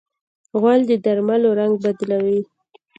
غول د درملو رنګ بدلوي.